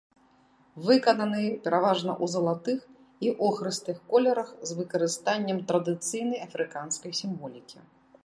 Выкананы пераважна ў залатых і охрыстых колерах з выкарыстаннем традыцыйнай афрыканскай сімволікі.